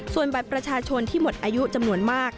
ส่วนบัตรประชาชนที่หมดอายุจำนวนมาก